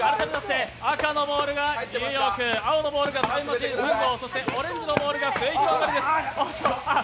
赤のボールがニューヨーク、青のボールがタイムマシーン３号、そして、オレンジのボールがすゑひろがりずです。